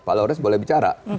pak lohres boleh bicara